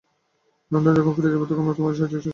লণ্ডনে যখন ফিরে যাব, তখন তোমায় সাহায্য করতে চেষ্টা করব।